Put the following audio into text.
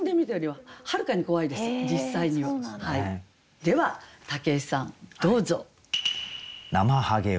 では武井さんどうぞ。